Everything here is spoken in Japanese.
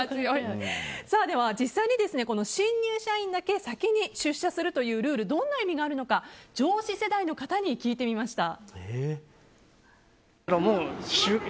実際に新入社員だけ先に出社するというルールどんな意味があるのか上司世代の方に聞いてみました。